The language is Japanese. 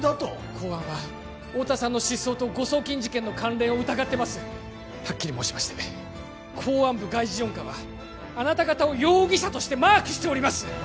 公安は太田さんの失踪と誤送金事件の関連を疑ってますはっきり申しまして公安部外事４課はあなた方を容疑者としてマークしております